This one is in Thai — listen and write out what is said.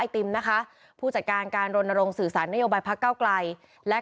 ไอติมนะคะผู้จัดการการลงสื่อสารนโยบายภาคเก้าไกลและ